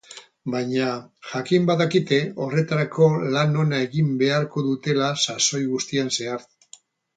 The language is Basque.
Baina, jakin badakite horretarako lan ona egin beharko dutela sasoi guztian zehar.